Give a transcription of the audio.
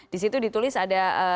disitu ditulis ada